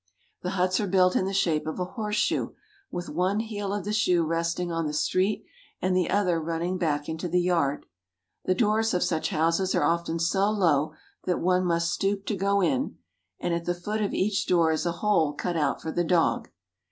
The huts are built in the shape of a horseshoe, with one heel of the shoe resting on the street and the other running back into the yard. The doors of such houses are often so low that one must stoop to go in, and at the foot of each door is a hole cut out for the dog.